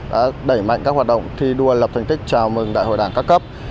đã đẩy mạnh các hoạt động thi đua lập thành tích chào mừng đại hội đảng các cấp